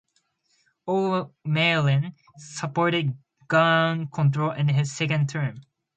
O'Malley supported gun control in his second term.